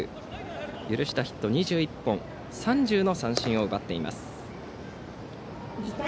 許したヒット２１本３０の三振を奪っています。